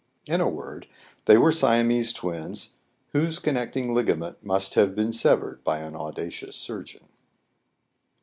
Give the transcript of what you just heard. In a word, they were Siamese twins, whose connecting ligament must have been severed by an audacious surgeon.